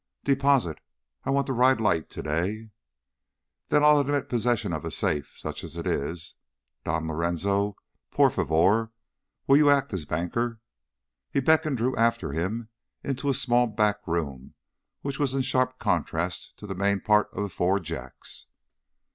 "Deposit. I want to ride light today." "Then I'll admit possession of a safe, such as it is. Don Lorenzo, por favor, will you act as banker?" He beckoned Drew after him into a small back room which was in sharp contrast to the main part of the Four Jacks.